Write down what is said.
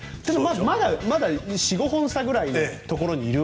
まだまだ４５本差くらい。